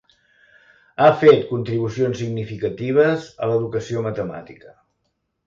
Ha fet contribucions significatives a l'educació matemàtica.